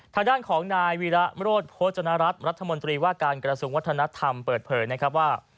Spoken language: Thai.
ทางด้านของนายวีระโรธโภจนรัฐรัฐรัฐมนตรีว่าการกระทรวงวัฒนธรรมเปิดเผยนะครับว่า